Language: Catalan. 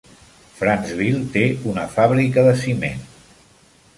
Franceville té una fàbrica de ciment.